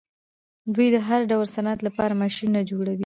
دوی د هر ډول صنعت لپاره ماشینونه جوړوي.